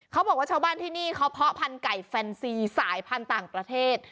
ชาวบ้านที่นี่เขาเพาะพันธุ์ไก่แฟนซีสายพันธุ์ต่างประเทศ